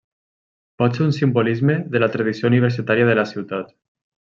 Pot ser un simbolisme de la tradició universitària de la ciutat.